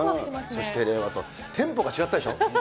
そして令和と、テンポが違ったでしょ。